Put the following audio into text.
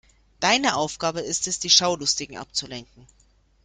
Deine Aufgabe ist es, die Schaulustigen abzulenken.